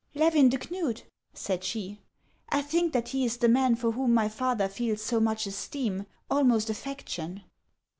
" Levin de Knud ?" said she ;" I think that he is the man for whom my father feels so much esteem, almost affection."